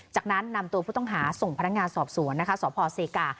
จากนั้นนำตัวผู้ต้องหาส่งพนักงานสอบสวนนะคะสพเซกา